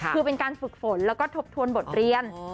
คือเป็นการฝึกฝนแล้วก็ทบทวนบทเรียน